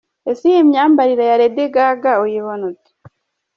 Ese wowe iyi myambarire ya Lady Gaga uyibona ute? .